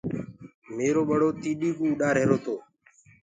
ميرو ٻڙو تيڏو اُڏ رهيرو تو۔